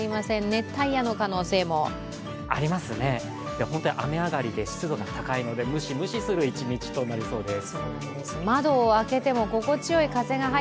熱帯夜の可能性もありますね、雨上がりで湿度が高いのでムシムシする一日となりそうです。